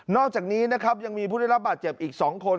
อกจากนี้นะครับยังมีผู้ได้รับบาดเจ็บอีก๒คน